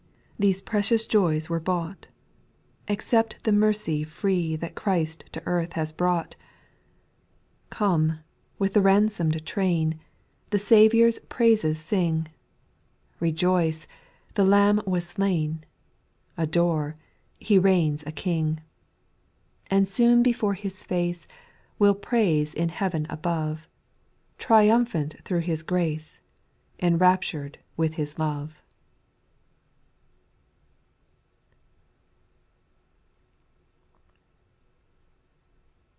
These priceless joys were bought, Accept the mercy free That Christ to earth has brought. SPIRITUAL SON OS. 299 5. Come, with the ransomed train, The Saviour's praises sing, Rejoice ! The Lamb was slain, Adore ! lie reigns a King. And soon before His face. We '11 praise in heaven above, Triumphant through His grace, Enraptured with His love.